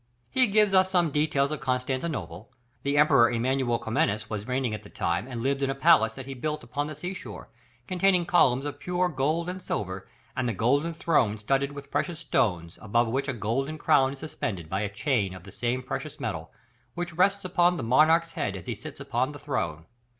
He gives us some details of Constantinople; the Emperor Emmanuel Comnenus was reigning at that time and lived in a palace that he had built upon the sea shore, containing columns of pure gold and silver, and "the golden throne studded with precious stones, above which a golden crown is suspended by a chain of the same precious metal, which rests upon the monarch's head as he sits upon the throne."